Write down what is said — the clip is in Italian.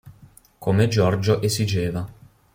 Come Giorgio esigeva.